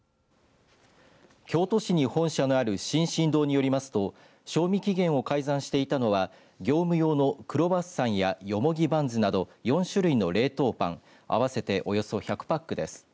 京都市に本社のある進々堂によりますと賞味期限を改ざんしていたのは業務用のクロワッサンやヨモギバンズなど４種類の冷凍パン合わせておよそ１００パックです。